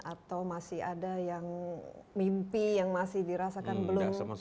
atau masih ada yang mimpi yang masih dirasakan belum